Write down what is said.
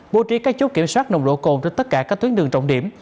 bố trí các chốt kiểm soát nồng độ cồn trên tất cả các tuyến đường trọng điểm